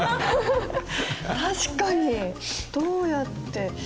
確かにどうやって。